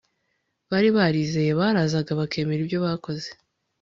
bari barizeye barazaga bakemera ibyo bakoze